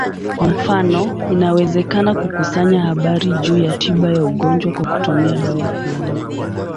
Kwa mfano, inawezekana kukusanya habari juu ya tiba ya ugonjwa kwa kutumia dawa fulani.